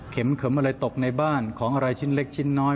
เข็มอะไรตกในบ้านของอะไรชิ้นเล็กชิ้นน้อย